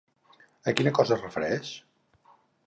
A quina cosa es refereix?